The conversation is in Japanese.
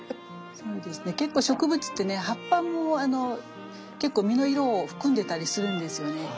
結構植物ってね葉っぱも実の色を含んでたりするんですよね。